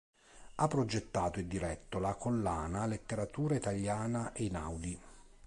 Ha progettato e diretto la collana "Letteratura Italiana Einaudi".